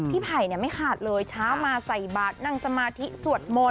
ไผ่ไม่ขาดเลยเช้ามาใส่บาทนั่งสมาธิสวดมนต